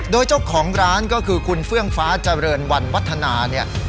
โดยเจ้าของร้านก็คือคุณเฟื่องฟ้าเจริญวันวัฒนาเนี่ย